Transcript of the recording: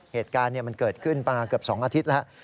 เหตุการณ์มันเกิดขึ้นมาเกือบ๒อาทิตย์แล้ว